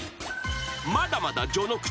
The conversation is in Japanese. ［まだまだ序の口］